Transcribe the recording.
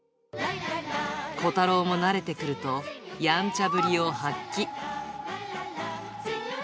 コタローもなれてくると、やんちゃぶりを発揮。